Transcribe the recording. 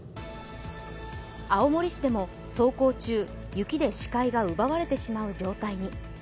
青森市でも走行中雪で視界が奪われてしまう状態に。